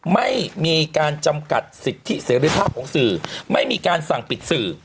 ไม่มีการจำกัดสิทธิเสรีภาพของสื่อไม่มีการสั่งปิดสื่อ